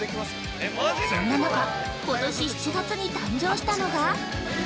そんな中、ことし７月に誕生したのが。